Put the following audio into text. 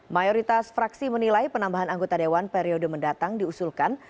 mayoritas fraksi menilai penambahan anggota dewan periode mendatang diusulkan